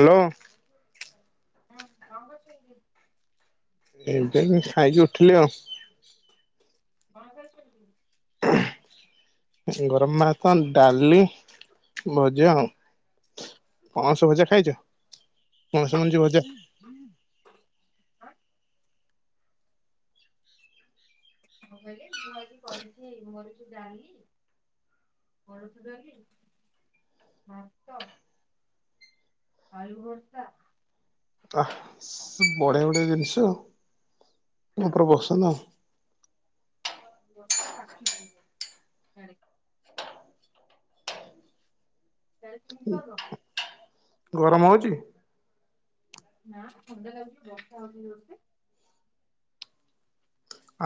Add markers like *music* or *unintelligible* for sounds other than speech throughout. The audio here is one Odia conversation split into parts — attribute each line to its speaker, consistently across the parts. Speaker 1: ହାଲୋ।
Speaker 2: *unintelligible*
Speaker 1: ଏବେ ଖାଇକି ଉଠଥିଲି ଆଉ।
Speaker 2: *inaudible*
Speaker 1: ଗରମ ଭାତ, ଡାଲି ଭଜା ଆଉ ପଣଷ ଭଜା ଖାଇଛ? ମଣସ ମଞ୍ଜି ଭଜା
Speaker 2: ଆଁ ମୁଁ କହିଲେ ମୁଁ ଆଜି କରିଚି ମୋରିଚି ଡ଼ାଲି କୋଳଥ ଡ଼ାଲି ଭାତ ଆଳୁ ଭର୍ତା
Speaker 1: ଆ ବଢିଆ ବଢିଆ ଜିନ୍ଷ ଆଉ। ୟାଙ୍କର ବସନ
Speaker 2: ବର୍ଷା କଚୁଚି ୟାଡେ। ସ୍ୟାଡେ କମତି ପାଗ?
Speaker 1: ଗରମ ହୋଉଚି?
Speaker 2: ନା ଥଣ୍ଡା ଲାଗୁଚି ବର୍ଷା ହୋଉଚି ଜୋରସେ।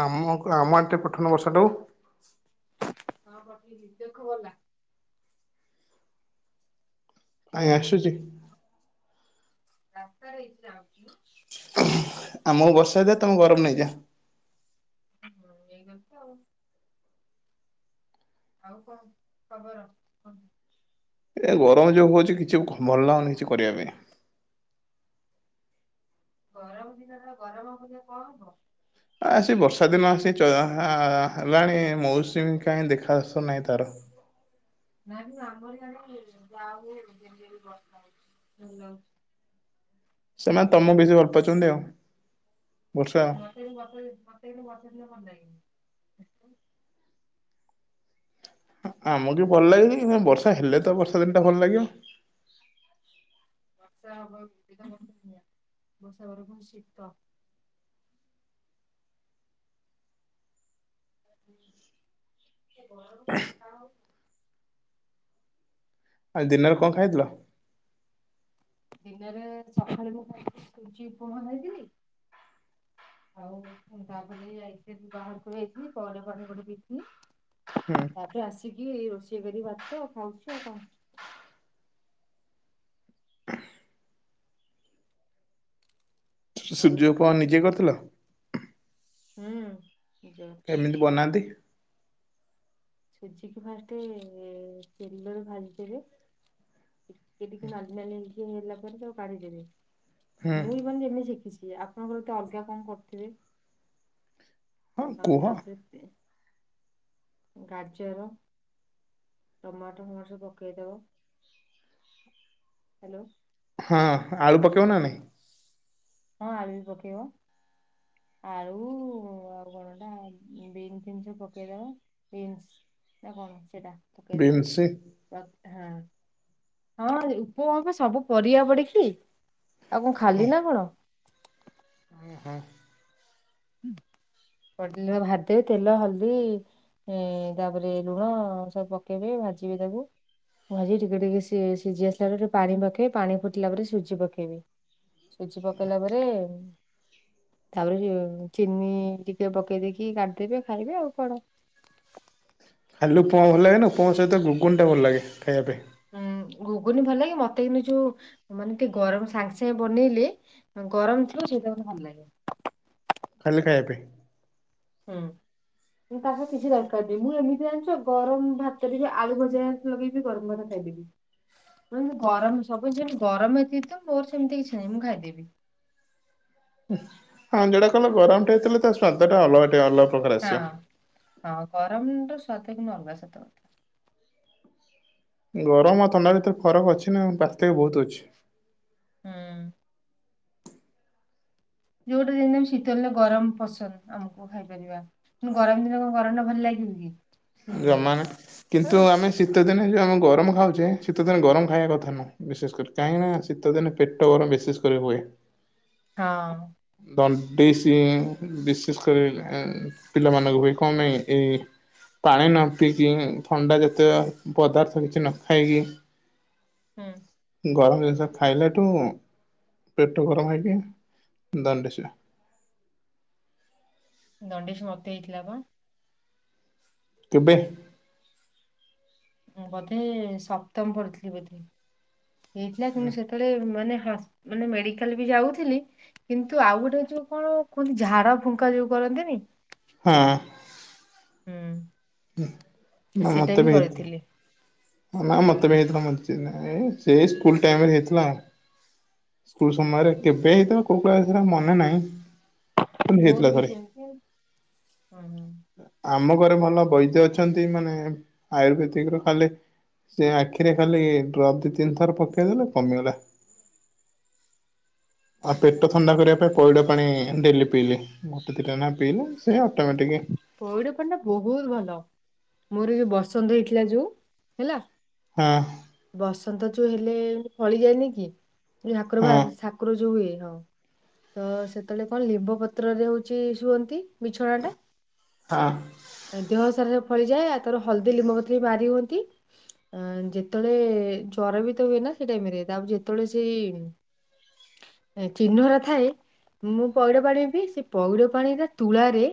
Speaker 1: ଆମ କ ଆମ ଆଡ଼େ ଟିକେ ପଠୋଉନ ବର୍ଷାଟାକୁ।
Speaker 2: ହଁ ପଠେଇଲି ଦେଖ ଗଲା।
Speaker 1: କାଇଁ
Speaker 2: ଗଲା
Speaker 1: ଆସୁଚି
Speaker 2: ରାସ୍ତାରେ ହେଇଚି ଯାଉଛି।
Speaker 1: ଆମକୁ ବର୍ଷା ଦିଅ ତମକୁ ଗରମ ନେଇଯା।
Speaker 2: ହୁଁ ନେଇଗଲି ଆଉ। ଆଉ କଣ ଖବର କୁହ?
Speaker 1: ଏ ଗରମ ଯୋଉ ହଉଛି କିଛି ଭଲ ଲାଗୁନି କିଛି କରିବା ପାଇଁ।
Speaker 2: ଗରମ ଦିନତ ଗରମ ହେବନି କଣ ହବ?
Speaker 1: ଆସି ବର୍ଷା ଦିନ ଆସି ହେଲାଣି ମୌସୁମୀ କାହିଁ ଦେଖା ଦର୍ଶନ ନାହିଁ ତାର।
Speaker 2: *inaudible* ନାଇଁ ଆମର ଇଆଡେ *unintelligible*
Speaker 1: ସେମାନେ ତମକୁ ବେଶୀ ଭଲ ପାଉଛନ୍ତି ଆଉ। ବର୍ଷା
Speaker 2: *unintelligible*
Speaker 1: ଆମକୁ ଭଲ ଲାଗେ ବର୍ଷା ହେଲେ ତ ବର୍ଷା ଦିନ ଟା ଭଲ ଲାଗିବ।
Speaker 2: *unintelligible* *unintelligible*
Speaker 1: ଆଜି ଦିନରେ କଣ ଖାଇଥିଲ?
Speaker 2: ଦିନରେ ସକାଳେ ମୁଁ ସୁଜି ଉପମା ଖାଇଥିଲି। ଆଉ ମୁଁ ତାପରେ ଯାଇ ବାହାରକୁ ଯାଇଥିଲି ପରେ ପାଣି ପଠି ପିଇଥିଲି।
Speaker 1: ହୁଁ
Speaker 2: ତାପରେ ଆସିକି ରୋଷେଇ କରିକି ଭାତ ଖାଉଛି ଆଉ କଣ।
Speaker 1: *unintelligible*
Speaker 2: ଆଉ
Speaker 1: ସୁଜି ଉପମା ନିଜେ କରିଥିଲ?
Speaker 2: ହୁଁ। ଜତି
Speaker 1: କେମିତି ବନାନ୍ତି?
Speaker 2: ସୁଜିକୁ ଫାଷ୍ଟ ତେଲରେ ଭାଜି ଦେବେ। କି ଟିକେ ନାଲି ନାଲିିଆ ହେଇଲା ପରେ ତାକୁ କାଢିଦେବେ
Speaker 1: ହୁଁ
Speaker 2: ମୁଁ ମାନ ଯେମି ଶିଖିଛି। ଆପଣଙ୍କର ତ ଅଲଗା କଣ କରୁଥିବେ
Speaker 1: ହଁ
Speaker 2: ଆ
Speaker 1: କୁହ।
Speaker 2: ତାପରେ। ଗାଜର ଟମାଟୋ ଫମାଟ ସବୁ ପକେଇଦବ। ହ୍ୟାଲୋ।
Speaker 1: ହଁ ଆଳୁ ପକେଇବ ନା ନାହିଁ?
Speaker 2: ହଁ ଆଳୁ ବି ପକେବ। ଆଳୁ ଆଉ କଣଟା ବିନ୍ ଫିନ୍ ସବୁ ପକେଇଦବା ବିନ୍ସ। ନା କଣ ସେଇଟା ପକେଇଦବେ
Speaker 1: ବିନ୍ସ
Speaker 2: ତ ହଁ ହଁ ଉପମା କଁ ସବୁ ପରିବା ପଡିକି? ଆଉ କଣ ଖାଲି ନା କଣ?
Speaker 1: ଉଁ ହୁଁ।
Speaker 2: ହୁଁ *unintelligible* ଭାଦବୁ ତେଲ ହଳଦୀ ହଁ ତାପରେ ଲୁଣ ସବୁ ପକେଇବେ ଭାଜି ବି ତାକୁ ମଝୀ ରେ ଟିକେ ଟିକେ ସିଏ ସିଝି ଆସିଲା ପରେ ପାଣି ପକେଇବେ ପାଣି ଫୁଟିଲା ପରେ ସୁଜି ପକେଇବେ ସୁଜି ପକେଇଲା ପରେ ତାପରେ ଚିନି ଟିକେ ପକେଇ ଦେଇକି କାଢ଼ି ଦେବେ ଖାଇବେ ଆଉ କଣ।
Speaker 1: ଖାଲି ଉପମା ଭଲ ଲାଗେ ନା ଉପମା ସହିତ ଗୁଗୁନୀଟା ଭଲ ଲାଗେ ଖାଇବା ପାଇଁ।
Speaker 2: ଉଁ ଗୁଗୁନି ଭଲ ଲାଗେ ମତେ କିୁନ୍ତୁ ଯୋଉ ମାନେ ଟିକେ ଗରମ ସାଙ୍ଗେ ସାଙ୍ଗେ ବନେଇଲେ। ଗରମ ଥିବ ସେଇଟା ମତେ ଭଲ ଲାଗେ।
Speaker 1: ଖାଲି ଖାଇବା ପାଇଁ।
Speaker 2: ହୁଁ। ମୋର ତାସହ କିଛି ଦରକାର ନାହିଁ ମୁଁ ଏମିତି ଜାଣିଚ ଗରମ ଭାତରେ ବି ଆଳୁ ଭଜା ଲଗେଇବି ଗରମ ଭାତ ଖାଇି ଦେବି। ମୁଁ ଗରମ ସବୁ ଜିନିଷ ଯେମିତି ଗରମ ଯଦି ହେଇଥିବ ମୋର ସେମିତି କିଛି ନାହିଁ ମୁଁ ଖାଇଦେବି।
Speaker 1: ହଁ ଯେଉଟା କହିଲ ଗରମଟା ହେଇଥିଲେ ତା ସ୍ଵାଦଟା ଅଲଗା ଟିକେ ଅଲ
Speaker 2: ହଁ ହଁ ଗରମର ସ୍ବାଦ କିନ୍ତୁ ଅଲଗା ସତ କଥା।
Speaker 1: ଗରମ ଆଉ ଥଣ୍ଡା ଭିତରେ ଫରକ ଅଛି ନା ପାର୍ଥକ୍ୟ ବୋହୁତ ଅଛି।
Speaker 2: ହୁଁ। ଯୋଉଟା ଯେମିତି ବି ଶୀତ ହେ ଗରମ ପସନ୍ଦ ଆମକୁ ଖାଇପାରିବା ଗରମ ଦିନ କଣ ଗରମ ଟା ଭଲ ଲାଗିବ କି? ସେଇଭଳିଆ।
Speaker 1: ଜମା ନା
Speaker 2: ହଁ
Speaker 1: କିନ୍ତୁ ଆମେ ଶୀତ ଦିନେ ଆମେ ଗରମ ଖାଉଚେ ଶୀତଦିନ ଗରମ ଖାଇବା କଥା ନୁହେଁ ବିଶେଷ କରି କାହିଁକିନା ଶୀତଦିନେ ପେଟ ଗରମ ବିଶେଷ କରି ହୁଏ।
Speaker 2: ହଁ।
Speaker 1: ଦଣ୍ଡିସ ବିଶେଷ କରି ପିଲାମାନଙ୍କୁ ହୁଏ କଣ ପାଇଁ ଏଇ ପାଣି ନ ପିଇକି ଥଣ୍ଡା ଯାତୀୟ ପଦାର୍ଥ କିଛି ନ ଖାଇକି।
Speaker 2: ହୁଁ।
Speaker 1: ଗରମ ଜିନିଷ ଖାଇଲାଠୁଁ ପେଟ ଗରମ ହେଇଯାଏ ଦଣ୍ଡିସ ହୁଏ।
Speaker 2: ଦଣ୍ଡିସ ମତେ ହେଇଥିଲା ପା।
Speaker 1: କେବେ?
Speaker 2: ବୋଧେ ସପ୍ତମ ପଢୁଥିଲି ବୋଧେ ହେଇଥିଲା କିନ୍ତୁ ସେତେବେଳେ ମାନେ ମାନେ ମେଡିକାଲ ବି ଯାଉଥିଲି କିନ୍ତୁ ଆଉ ଗୋଟେ ଯୋଉ କଣ କୁହ ଝାଡା ଫୁଙ୍କା ଯୋଉ କ ରନ୍ତିନି।
Speaker 1: ହୁଁ।
Speaker 2: ହୁଁ
Speaker 1: ନା
Speaker 2: ସେଟା
Speaker 1: ମତେ
Speaker 2: ବି
Speaker 1: ହେଇଥିଲା
Speaker 2: କରିଥିଲି। ହୁଁ
Speaker 1: ଏ ସେ ସ୍କୁଲ ଟାଇମରେ ହେଇଥିଲା ଆଉ। ସ୍କୁଲ ସମୟରେ କେବେ ହେଇଥୀଲା କୋଉ କ୍ଲାସରେ ହେଇଥିଲା ଆଉ ମନେ ନାହିଁ। କିନ୍ତୁ ହେଇଥିଲା
Speaker 2: ମୋର ବି
Speaker 1: ଥରେ।
Speaker 2: ସେମିତି ‌ହଁ।
Speaker 1: ଆମ ଘରେ ଭଲ ବୈଦ୍ୟ ଅଛନ୍ତି ମାନେ ଆୟୁର୍ବେଦିକର ଖାଲି ସେ ଆଖିରେ ଖାଲି ଡ୍ରପ ଦି ତିନି ଥର ପକେଇଦେଲେ କମିଗଲା। ଆଉ
Speaker 2: ହୁଁ
Speaker 1: ପେଟ ଥଣ୍ଡା କରିବା ପାଇଁ ପଇଡ଼ ପାଣି ଡେଲି ପିଇଲି ଗୋଟେ ଦିଇଟା ନାଖେ ପିଇଲି।
Speaker 2: ପଇଡ ପାଣି ଟା ବୋହୁତ ଭଲ। ମୋର ଯୋଉ ବସନ୍ତ ହେଇଥିଲା ଯୋଉ ହେଲା।
Speaker 1: ହଁ।
Speaker 2: ବସନ୍ତ ଯୋଉ ହେଲେ ଏମିତି ଫଳି ଯାଏନି କି ଯୋଉ ଠାକୁର
Speaker 1: ହଁ
Speaker 2: ବାହାରେ ସାକୁର ଯୋଉ ହୁଏ। ହୋଉ ତ ସେତେବେଳେ କଣ ଲିମ୍ବ ପତ୍ରରେ ହୋଉଚି ଶୁଅନ୍ତି। ବିଛଣା ଟା
Speaker 1: ହଁ
Speaker 2: ଦେହ ସାର ସବୁ ଫଳିଯାଏ ଆ ତୋର ହଳଦୀ ଲିମ୍ବପତ୍ର ବି ମାରି ହୁଅନ୍ତି ଯେ ଯେତେବେଳେ ଜର ବି ତ ହୁଏ ନା ସେ ଟାଇମରେ ତା ଯେତେବେଳେ ସେ ଚିହ୍ନ‌ଓରା ଥାଏ। ମୁଁ ପଇଡ ପାଣି ପି ସେ ପଇଡ ପାଣି ଟା ତୁଳାରେ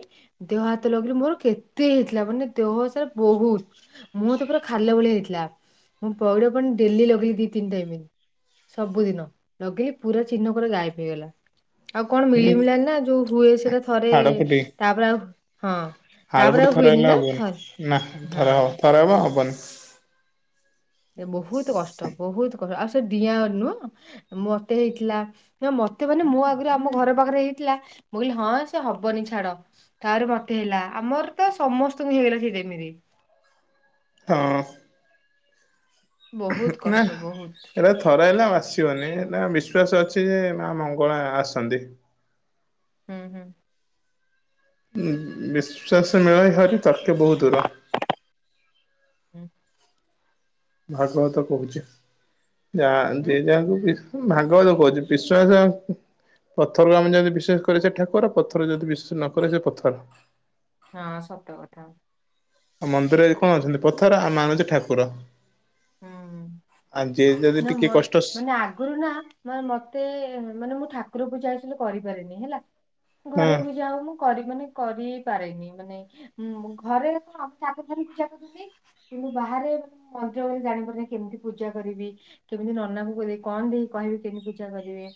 Speaker 2: ଦେହ ହାତ ଲଗେଇିଲି ମୋର କେତେ ହେଇଥି ଲା ମାନେ ଦେହ ସାରା ବୋହୁତ ମୁହଁ ତ ପୁରା ଖାଲ ଭଳିଆ ହେଇଥିଲା। ମୁଁ ପଇଡ଼ ପାଣି ଡେଲି ଲଗିଏ ଦିଇ ତିନି ଟାଇମ୍। ସବୁଦିନ ଲଗେଇି ପୁରା ଚିହ୍ନକ ଗାଏବ ହେଇଗଲା। ଆଉ କଣ
Speaker 1: ହୁଁ
Speaker 2: ମିଳିମଳାନି ନା ଯୋଉ ହୁଏ ସେଇଟା ଥରେ ତାପରେ ଆଉ ହଁ ତାପରେ
Speaker 1: ହାଡପଟେ
Speaker 2: ଆଉ
Speaker 1: ଥରେ
Speaker 2: ହୁଏନି
Speaker 1: ହେଲେ
Speaker 2: ନା
Speaker 1: ହବନି,
Speaker 2: ଥରେ
Speaker 1: ନା ଥରେ
Speaker 2: ହଁ
Speaker 1: ହବ ଥରେ ହବ ହବନି?
Speaker 2: ଏ ବହୁତ କଷ୍ଟ ବହୁତ ଆଉ ସେ ଦଡିଆଁ ନୁହଁ ମତେ ହେଇଥିଲା, ନା ମତେ ମାନେ ମୁଁ ଆଗରେ ଆମ ଘର ପାଖରେ ହେଇ ମୁଁ କହିଲି ହଁ ସେ ହବନି ଛାଡ ତାହରେ ମତେ ହେଲା, ଆମର ତ ସମସ୍ତଙ୍କୁ ହେଇଗଲା ସେ ମିରେ
Speaker 1: ହଁ।
Speaker 2: ବହୁତ
Speaker 1: ନା
Speaker 2: କଷ୍ଟ ବହୁତ
Speaker 1: ଏଇଟା ଥରା ହେଲା ଆସିବନି ହେଟା ବିଶ୍ୱାସ ଅଛି ଯେ, ମା ମଙ୍ଗଳା ଆସନ୍ତି।
Speaker 2: ହୁଁ ହୁଁ।
Speaker 1: ବିଶ୍ୱାସ ମେଳାଇ ହାର ତାକେ ବହୁତ ଦୂର।
Speaker 2: ହୁଁ।
Speaker 1: ଭାଗବତ କହୁଛ ଯା
Speaker 2: ହୁଁ
Speaker 1: ଯ ଯାହାକୁ କି? ଭାଗବ ଲ କହୁଛି ବିଶ୍ୱାସ ପଥରକୁ ଆମେ ଯଦି ବିଶେଷ କରେ ସେ ଠାକୁର ପଥର ଯଦି ବିଶେଷ ନକରେ ସେ ପଥର।
Speaker 2: ହଁ ସତ କଥା।
Speaker 1: ଆଉ ମନ୍ଦିରରେ କଣ ଅଛନ୍ତି ପଥର ଆଉ ନାଁ ଅଛି ଠାକୁର।
Speaker 2: ହୁଁ
Speaker 1: ଯିଏ ଯଦି
Speaker 2: ନା
Speaker 1: ଟିକେ
Speaker 2: ମ
Speaker 1: କଷ୍ଟ
Speaker 2: ମାନେ ଆଗରୁ ନା ମତେ ମାନେ ମୁଁ ଠାକୁ ରକୁ ଯାସ କରିପାରନି ହେଲା ଘରେ
Speaker 1: ହଁ
Speaker 2: ବ ଯା ହ ମୁ ମାନେ କରି ପାରେନି ମାନେଁ ଘରେ କଣ ଚା ଚାଛନ୍ତି କିନ୍ତୁ ବା ଆରେ ଜାଣିପାରୁନାି କେମିତି ପୂଜା କରିବି, କେମିତି ନନା କି କଣ ଦେଇ କହିବି କେମିତି ପୂଜା କରିବେ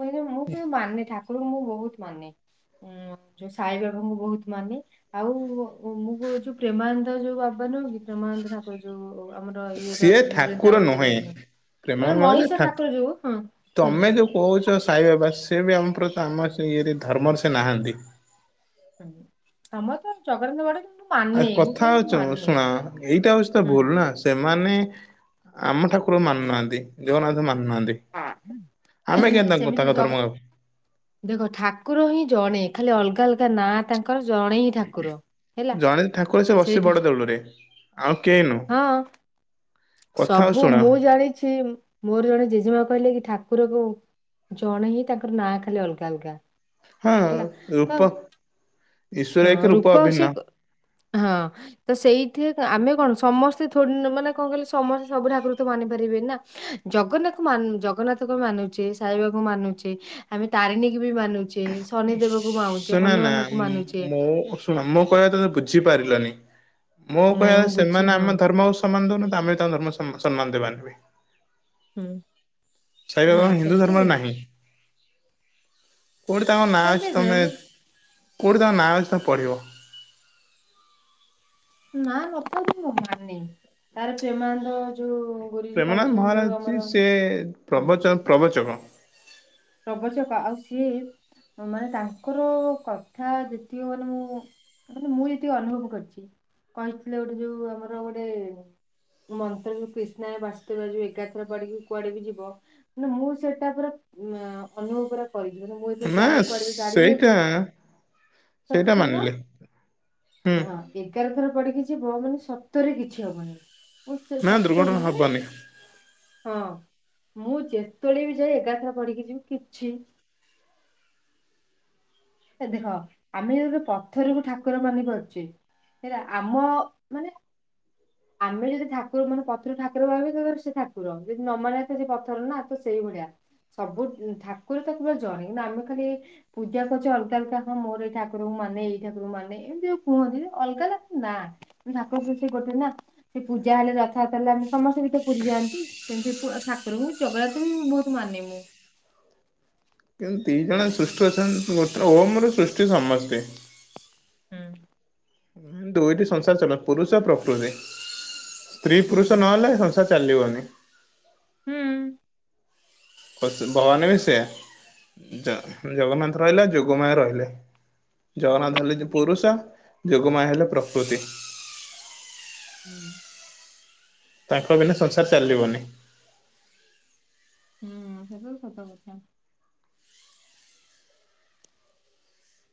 Speaker 2: ପହିଲ ମୁଁ ବି ମାନେ ଠାକୁର ମୁଁ ବାହୁ ତ, ମାନେ ଯୋଉ ସ ବାବ ବହୁତ ମାନେ, ଆଉ ଯଉ ପ୍ରେ ମହାନ୍ତ ଯୋଉ ବାବା ନ କି ମହାନ୍ତ ଠାକୁର ଯୋଉ ଆମର ଇଏରେ
Speaker 1: ସିଏ
Speaker 2: ଅଛନ୍ତି ବୃନ୍ଦା
Speaker 1: ଠାକୁର
Speaker 2: ମଲ୍ଲ
Speaker 1: ନୁହେଁ।
Speaker 2: ଅ
Speaker 1: ପ୍ରେମାନନ୍ଦ ମଜ ଠାକ୍
Speaker 2: ହୁଁ
Speaker 1: ତମେ ଯୋଉ କହୁଛ ସାଇବା ବାସ ସେ ବି ଆମ ଆମ ସେ ଇଏରେ ଧର୍ମରେ ସେ ନାହାନ୍ତି।
Speaker 2: ହଁ ଆମ ତ ଚଗରନ୍ଦ ବଡ଼
Speaker 1: ଆ କଥା ହଉଛୁ ଶୁଣ ଏଇଟା ହଉଛି, ତ
Speaker 2: ହୁଁ
Speaker 1: ଭୁଲ ନା ସେମାନେ ଆମ ଠାକୁର ମାନୁନାହାନ୍ତି ଜଗନ୍ନାଥ ମାନ ନାହାନ୍ତି
Speaker 2: ହଁ
Speaker 1: ଆମେ କେନ୍ତା
Speaker 2: ସେମିତି
Speaker 1: ତାଙ୍କ
Speaker 2: ଜଗ
Speaker 1: ଧର୍ମ
Speaker 2: ଦେଖ ଠାକୁର ହିଁ ଜଣେ ଖାଲି ଅଲଗା ଅଲଗା ନାଁ ତାଙ୍କ ତାଙ୍କର ଜଣେ ହିଁ ଠାକୁର ହେଲା
Speaker 1: ଜଣେ ଠାକୁର ସେ ବସି
Speaker 2: ସେଇଠା
Speaker 1: ବଡ ଦେଉଳରେ ଆଉ କେହି ନୁହଁ।
Speaker 2: ହଁ।
Speaker 1: କଥା ଆଉ
Speaker 2: ସବୁ
Speaker 1: ଶୁଣ
Speaker 2: ମୁଁ ଜାଣିଛି ମୋର ଜଣେ ଜେଜେମା କହିଲେ କି ଠାକୁ କୁକୁରକୁ ଜଣେ ହିଁ ତାଙ୍କର ନାଁ ଖାଲି ଅଲଗା ଅଲଗା
Speaker 1: ହଁ
Speaker 2: ହେଲା ତ
Speaker 1: ରୂପା
Speaker 2: ହଁ ରୂପ ସେ ହଁ ତ ସେଇଥି ଆମେ କଣ ସମସ୍ତେ ମାନେ କଣ କହିଲେ, ସମସ୍ତେ ସବୁଠ ଆକୃତ ମାନି ପାରିବେ ନା ଜଗନ୍ନାଥଙ୍କୁ ଜଗନ୍ନାଥଙ୍କୁ ବି ମାନୁଛେ ସାଇବାବଙ୍କୁ ମାନୁଛେ ଆମେ ତାରିଣୀ ବି ମାନୁଛେ, ଶନି ଦେେବ କୁ ମୁଛି
Speaker 1: ଶୁଣ ନା
Speaker 2: ହନୁମାନଙ୍କୁ ମାନୁଛି।
Speaker 1: ମୋ ଆମ କହିବା ତମତେ ବୁଝି ପାରିଲନି? ମୁଁଉ
Speaker 2: ନାଇଁ
Speaker 1: କହିଲ
Speaker 2: ମୁଁ ବୁଝି
Speaker 1: ସେମାନେ
Speaker 2: ହଁ
Speaker 1: ଆମ ଧର୍ମକୁ ସମ୍ମାନ ଦଉନାହାନ୍ତି ଆମେ ବି ତାଙ୍କ ଧର୍ମ ସମ୍ମାନ ଦେବାନି।
Speaker 2: ହୁଁ।
Speaker 1: ସେ
Speaker 2: ନା
Speaker 1: ହିନ୍ଦୁ
Speaker 2: ସେମିତି
Speaker 1: ଧର୍ମରେ
Speaker 2: ନୁହଁ
Speaker 1: ନାହିଁ। କୋଉଠି ତାଙ୍କ ନାଁ ଅଛି।
Speaker 2: ସେମିତି
Speaker 1: ତମେ
Speaker 2: ନୁହେଁ
Speaker 1: କୋଉଠି ତାଙ୍କ ନାଁ ଅଛି ତମ ପଢିବ
Speaker 2: ନା ନକନ୍ତି ମ ମାନି ତାର ପ୍ରେମାନନ୍ଦ ଯୋଉ ଗୁରୁଜୀ
Speaker 1: ପ୍ରେମନାଥ
Speaker 2: କହିଛନ୍ତି ଯୋଉ
Speaker 1: ମହାରାଜ
Speaker 2: ଆମର
Speaker 1: ସେ ପ୍ରବଚନ ପ୍ରବଚକ,
Speaker 2: ରବଛକ ଆଉ ସିଏ ମାନେ ତାଙ୍କର କଥା ଯେତିକ ମାନେ ମୁଁ ଅଁ ମୁଁ ଯେତିକି ଅନୁଭବ କରିଚି କହିଥିଲେ ଗୋଟେ ଯୋଉ ଆମର ଗୋଟେ ମନ୍ତ୍ର ଯୋଉ କ୍ରିଷ୍ଣା ବାସୁ ଦେବାୟ ଯୋଉ ଏଗାର ଥର ପଢ଼ିକି କୁଆଡେ ବି ଯିବ ମାନେ ମୁଁ ସେଇଟା ପୁରା ନା ଅନୁଭଵ ପୁରା କରିକି ଯିବି ମୁଁ ଯେତେବେଳ
Speaker 1: ନା
Speaker 2: ଯାଏ କୁଆଡେ ବି ଗାଡି
Speaker 1: ସେଇଟା
Speaker 2: ନେଇକି ସେଠୁ
Speaker 1: ସେଇଟା
Speaker 2: ଶୁଣୁନ
Speaker 1: ମାନିଲେ ହୁଁ
Speaker 2: ହଁ ଏଗାର ଥର ପଡିକି ଜିବ ମାନେ ସତରେ କିଛି ହବନି। ମୁଁ ସେ
Speaker 1: ନା
Speaker 2: ସତ
Speaker 1: ଦୁର୍ଘଟଣା
Speaker 2: କହିଲ ମାନେ
Speaker 1: ହବନି।
Speaker 2: ହଁ ମୁଁ ଯେତେବେଳେ ବି ଯାଏ ଏଗାରଥର ପଢିକି ଯିବି କିଛି ଏ ଦେଖ ଆମେ ଯଦି ପଥରକୁ ଠାକୁର ମାନିପାରୁଚେ ସେଇଟା ଆମ ମାନେ ଆମେ ଯଦି ଠାକୁର ମାନେ ପଥର ଠାକୁର ଭାବେ *unintelligible* ସେ ଠାକୁର ଯଦି ନ ମାନିବ କଥା ସେ ପଥର ନା ତ ସେ ସେଇ ଭଳିଆ ସବୁ ଉଁ ଠାକୁର ତ ପୁରା ଜଣେ। ନା ଆମେ ଖାଲି ପୂଜା ତ ଚ ଅଲଗା ଅଲଗା ହଁ ମୋର ଏଇ ଠାକୁରଙ୍କୁ ମାନେ ଏଇ ଠାକୁରଙ୍କୁ ମାନେ ଏମିତି ଯୋଉ କୁହନ୍ତି ଅଲଗା ନା ନା। ଠାକରଙ୍କୁ ସେ ଗୋଟେ ନା ସେ ପୂଜା ହେଲେ ଯଥାର୍ଥ ରୁ ଜାଣିଲୁ ସମସ୍ତେ ବି ତ ପୁରୀ ଯାଆନ୍ତି। ସେମିତି ଠୁ ଅ, ଠାକୁ ମୁଁ ବି ଜଗନ୍ନାଥ ବି ବହୁତ ମାନେ ମୁଁ।
Speaker 1: କିନ୍ ଦି ଜଣ ସୃଷ୍ଟୁ ଅଛନ୍ ଗୋଟେର ଓମ୍ ର ସୃଷ୍ଟି ସମସ୍ତେ।
Speaker 2: ହୁଁ।
Speaker 1: ହୁଁ ଦୁଇଟି ସଂସାର ଚଲ ପୁରୁଷ ପ୍ରକୃତି। ସ୍ତ୍ରୀ
Speaker 2: ହୁଁ
Speaker 1: ପୁରୁଷ ନହେଲେ ସଂସାର ଚାଲିବନି।
Speaker 2: ହୁଁ।
Speaker 1: ହୋ ସେ ଭଗବାନ ବି ସେୟା। ଜ- ଜଗନ୍ନାଥ ରହିଲା, ଯୋଗମାୟ ରହିଲେ। ଜଗନ୍ନାଥ ହେଲେ ଯେ
Speaker 2: ହୁଁ
Speaker 1: ପୁରୁଷ ଯୋଗମାୟା ହେଲେ ପ୍ରକୃତି।
Speaker 2: ହୁଁ।
Speaker 1: ତାଙ୍କ ବିନା ସଂସାର ଚାଲିବନି।
Speaker 2: ହୁଁ ସେଟା ତ କଥା।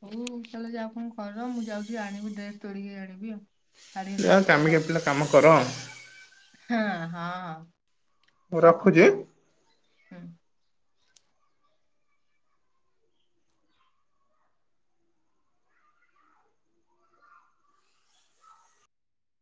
Speaker 2: ହଉ ତାହେଲେ ଯା ଆପଣ କର। ମୁଁ ଯାଉଚି ଆଣିବି ଡ୍ରେସ୍ ତୋଳିକି ଆଣିବି ଆଉ। ଶାଢ଼ୀ ହେରିକା
Speaker 1: ଯାଅ
Speaker 2: ଶୁଖା
Speaker 1: କାମିକ
Speaker 2: ହଉଛି
Speaker 1: ପିଲା କାମ କର।
Speaker 2: ହଁ, ହଁ, ରଖୁଛି। ହୁଁ,